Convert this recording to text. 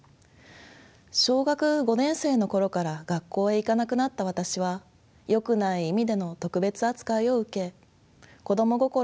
小学５年生の頃から学校へ行かなくなった私は「よくない意味」での特別扱いを受け子供心に居心地の悪さを感じていました。